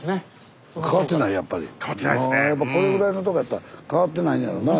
このぐらいのとこやったら変わってないねんやろなやっぱり。